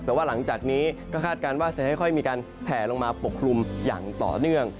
แต่ว่าหลังจากนี้ก็คาดการณ์ว่าจะค่อยมีการแผลลงมาปกคลุมอย่างต่อเนื่อง